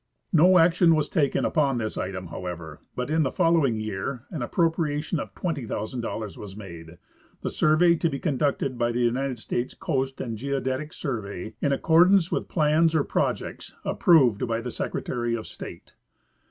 No action was taken upon this item, however, but in the following year an appropriation of $20,000 was made, the survey to be conducted by the United States Coast and Geodetic Survey in accordance with plans or projects approved by the Secretary of State.